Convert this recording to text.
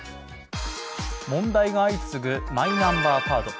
問題が相次ぐマイナンバーカード。